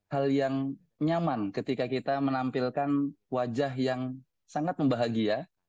hal yang nyaman ketika kita menampilkan wajah yang sangat membahagia